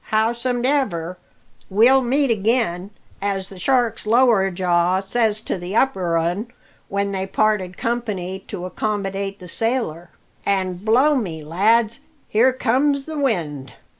"Howsomedever, we'll meet again, as the shark's lower jaw says to the upper 'un when they parted company to accomidate the sailor. An' blow me, lads, here comes the wind!